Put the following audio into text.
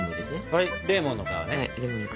はいレモンの皮ね。